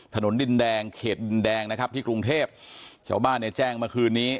ถนนดินแดงเขตดินแดงนะครับที่กรุงเทพชาวบ้านเนี่ยแจ้งเมื่อคืนนี้